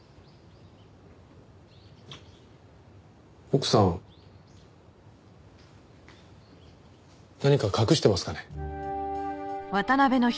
奥さん何か隠してますかね？